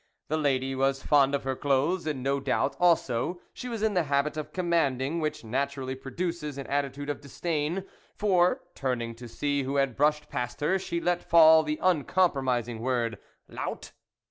The lady was fond of her clothes, and no doubt, also, she was in the habit of commanding, which naturally produces an attitude of disdain, for, turn ing to see who had brushed past her, she let fall the uncompromising word, " lout